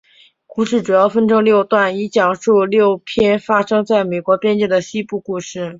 故事主要分成六段以讲述六篇发生在美国边界的西部故事。